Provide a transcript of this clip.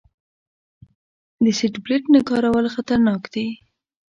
د سیټ بیلټ نه کارول خطرناک دي.